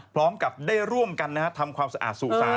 พร้อมกับได้ร่วมกันทำความสะอาดสู่สาร